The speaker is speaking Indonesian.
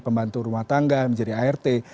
pembantu rumah tangga menjadi art